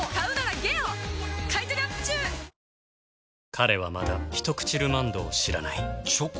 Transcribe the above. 彼はまだ「ひとくちルマンド」を知らないチョコ？